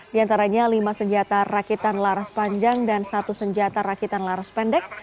di antaranya lima senjata rakitan laras panjang dan satu senjata rakitan laras pendek